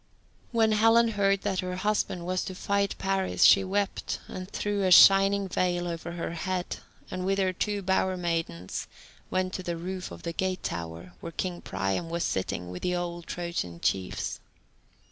When Helen heard that her husband was to fight Paris, she wept, and threw a shining veil over her head, and with her two bower maidens went to the roof of the gate tower, where king Priam was sitting with the old Trojan chiefs.